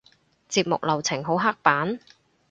節目流程好刻板？